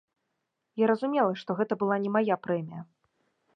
Я разумела, што гэта была не мая прэмія.